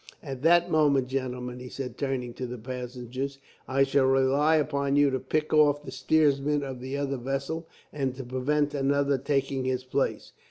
"At that moment, gentlemen," he said, turning to the passengers, "I shall rely upon you to pick off the steersman of the other vessel, and to prevent another taking his place.